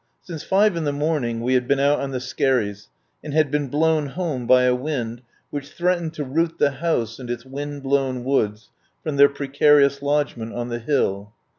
Since five in the morning we had been out on the sker ries, and had been blown home by a wind which threatened to root the house and its wind blown woods from their precarious lodgment on the hill.